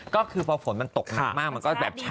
ก็คือพอฝนมันตกมากมันก็แบบชะ